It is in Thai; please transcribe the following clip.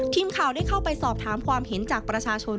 ทีมข่าวได้เข้าไปสอบถามความเห็นจากประชาชน